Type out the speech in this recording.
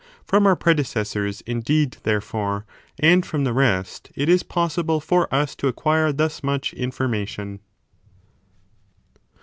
From our predecessors, indeed, therefore, and from the rest, it is possible for us to acquire thus much information.